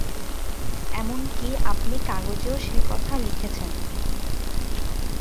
এমন-কি, আপনি কাগজেও সে কথা লিখেছেন।